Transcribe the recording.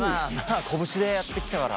拳でやってきたから。